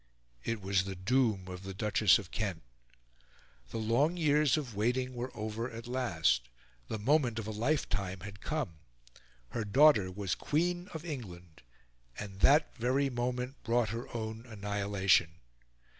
It was the doom of the Duchess of Kent. The long years of waiting were over at last; the moment of a lifetime had come; her daughter was Queen of England; and that very moment brought her own annihilation.